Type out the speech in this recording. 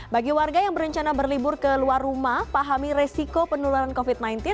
bagi warga yang berencana berlibur ke luar rumah pahami resiko penularan covid sembilan belas